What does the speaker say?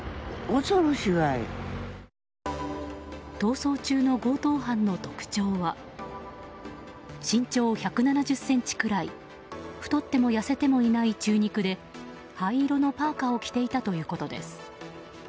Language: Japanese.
逃走中の強盗犯の特徴は身長１７０ｃｍくらい太っても痩せてもいない中肉で灰色のパーカを着ていたということです。